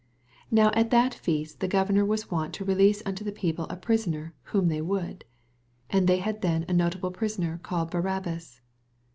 15 Now at that feast the governor was wont to release unto the people a prisoner, whom they would. 16 And they had then a notable prisoner, called Barabbas.